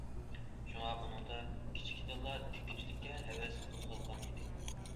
شۇڭا ئۇنىڭدا كىچىكىدىنلا تىككۈچىلىككە ھەۋەس قوزغالغان ئىدى.